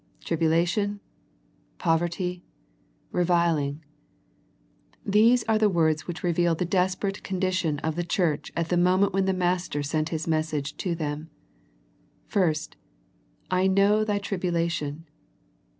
Tribulation, poverty, reviling. These are the words which reveal the desperate condition of the church at the moment when the Master sent His message to them. First, " I know thy tribulation."